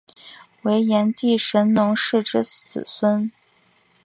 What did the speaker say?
为炎帝神农氏之子孙。